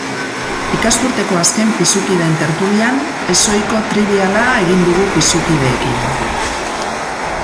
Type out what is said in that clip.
Ikasturteko azken pisukideen tertulian, ezohiko tribiala egin dugu pisukideekin.